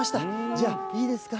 じゃあ、いいですか？